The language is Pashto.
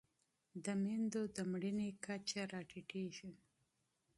د مېندو د مړینې کچه راټیټه کړئ.